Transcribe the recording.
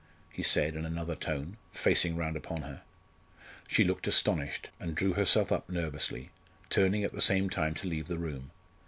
he said in another tone, facing round upon her. She looked astonished, and drew herself up nervously, turning at the same time to leave the room.